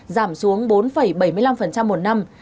giảm xuống bốn bảy mươi năm một năm